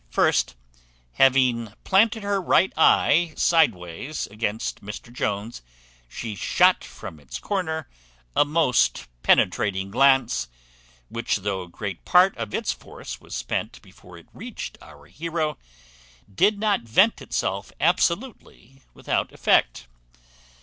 First, having planted her right eye sidewise against Mr Jones, she shot from its corner a most penetrating glance; which, though great part of its force was spent before it reached our heroe, did not vent itself absolutely without effect.